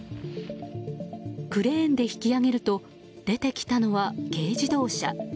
クレーンで引き上げると出てきたのは軽自動車。